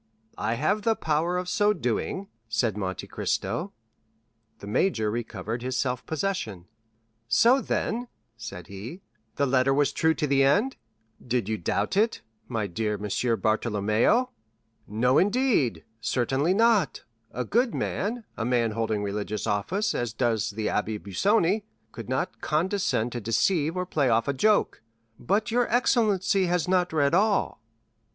"I have the power of so doing," said Monte Cristo. The major recovered his self possession. "So, then," said he, "the letter was true to the end?" "Did you doubt it, my dear Monsieur Bartolomeo?" "No, indeed; certainly not; a good man, a man holding religious office, as does the Abbé Busoni, could not condescend to deceive or play off a joke; but your excellency has not read all."